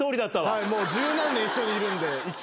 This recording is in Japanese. もう十何年一緒にいるんで。